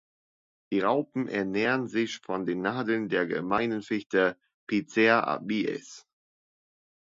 Die Raupen ernähren sich von den Nadeln der Gemeinen Fichte ("Picea abies").